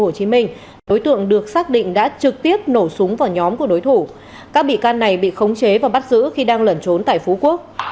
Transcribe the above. hồ chí minh đối tượng được xác định đã trực tiếp nổ súng vào nhóm của đối thủ các bị can này bị khống chế và bắt giữ khi đang lẩn trốn tại phú quốc